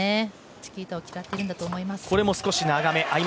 チキータをきかせているんだと思います。